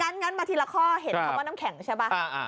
งั้นมาทีละข้อเห็นคำว่าน้ำแข็งใช่ป่ะ